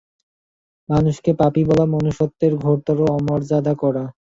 মানুষকে পাপী বলা মনুষ্যত্বের ঘোরতর অমর্যাদা করা।